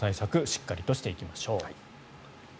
しっかりとしていきましょう。